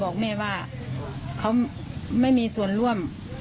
ไปเป็นผลของตัวเองนะครับ